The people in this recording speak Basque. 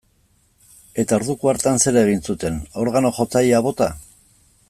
Eta orduko hartan zer egin zuten, organo-jotzailea bota?